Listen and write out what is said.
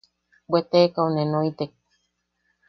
–Bwe teekau ne noitek.